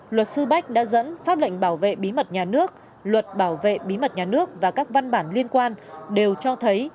luật sư bách đã dẫn pháp lệnh bảo vệ bí mật nhà nước luật bảo vệ bí mật nhà nước và các văn bản liên quan đều cho thấy